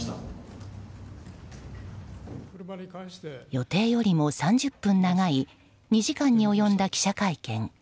予定よりも３０分長い２時間に及んだ記者会見。